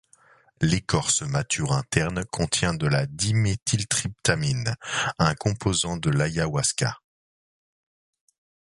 L'écorce mature interne contient de la diméthyltryptamine, un composant de l'Ayahuasca.